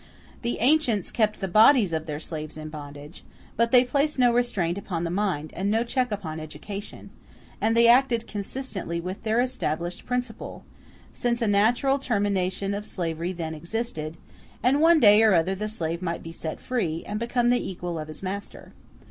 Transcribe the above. The ancients kept the bodies of their slaves in bondage, but they placed no restraint upon the mind and no check upon education; and they acted consistently with their established principle, since a natural termination of slavery then existed, and one day or other the slave might be set free, and become the equal of his master.